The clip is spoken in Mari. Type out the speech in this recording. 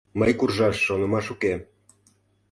— Мый куржаш шонымаш уке.